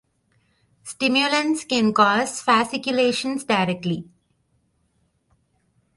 Stimulants can cause fasciculations directly.